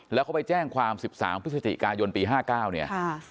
แล้วเขาไปแจ้งความ๑๓พฤศจิกายนปี๕๙เนี่ย